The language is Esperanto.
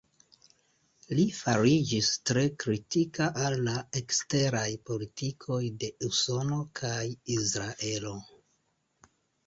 Li fariĝis tre kritika al la eksteraj politikoj de Usono kaj Israelo.